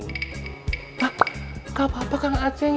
hah nggak apa apa kang oceng